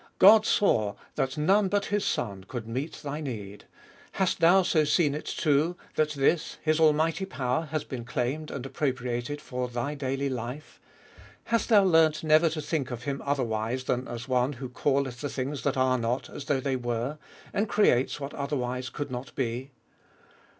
God saw that none but His Son could meet thy need : hast thou so seen it, too, that this, His almighty power, has been claimed and appropriated for thy daily life? Hast thou learnt never to think of Him otherwise than as the One who calleth the things that are not as though they were, and creates what otherwise could not be